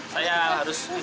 saya harus berpikir